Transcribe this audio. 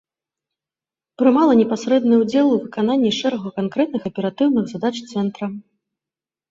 Прымала непасрэдны ўдзел у выкананні шэрагу канкрэтных аператыўных задач цэнтра.